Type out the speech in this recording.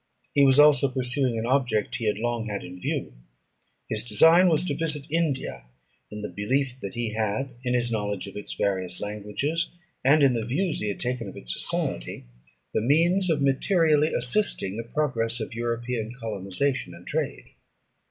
He was also pursuing an object he had long had in view. His design was to visit India, in the belief that he had in his knowledge of its various languages, and in the views he had taken of its society, the means of materially assisting the progress of European colonisation and trade.